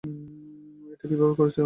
এটা কিভাবে করেছ আমাকে বল!